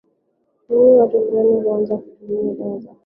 Nini Watu Fulani Huanza Kutumia Dawa za Kulevya